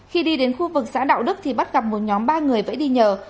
khi đi đến khu vực xã đạo đức thì bắt gặp một nhóm ba người vẫy đi nhờ